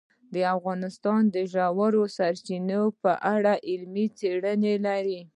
افغانستان د ژورې سرچینې په اړه علمي څېړنې لري.